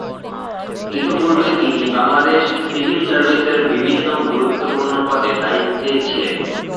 ইতোপূর্বে তিনি বাংলাদেশ সিভিল সার্ভিসের বিভিন্ন গুরুত্বপূর্ণ পদে দায়িত্বে ছিলেন।